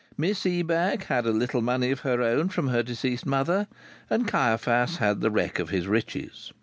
Miss Ebag had a little money of her own from her deceased mother, and Caiaphas had the wreck of his riches.